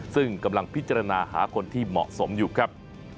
ซึ่งกำลังพิจารณาหาคนที่เหมาะสมอยู่ครับ